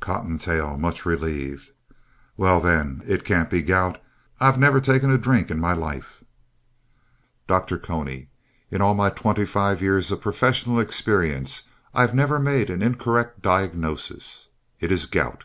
COTTONTAIL (much relieved) Well, then, it can't be gout. I've never taken a drink in my life. Dr. Cony In all my twenty five years of professional experience I've never made an incorrect diagnosis. It is gout.